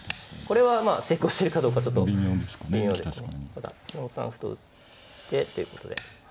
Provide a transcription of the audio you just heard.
これは成功しているかどうかちょっと微妙です。